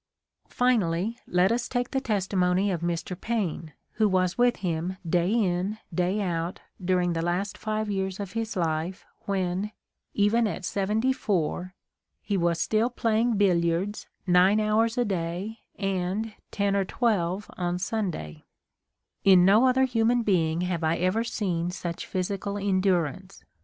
Finally, let us take the testi mony of Mr. Paine, who was with him day in, day out, during the last five years of his life when, even at seventy four, he was still playing billiards "9 hours a day and 10 or 12 on Sunday": "In no other human being have I ever seen such physical endurance.